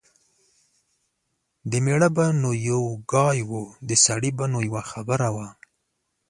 د مېړه به نو یو ګای و . د سړي به نو یوه خبره وه